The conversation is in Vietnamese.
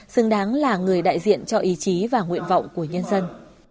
xứng đáng là người đại diện cho ý chí và nguyện vọng của nhân dân